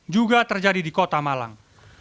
juga terjadi di kota malang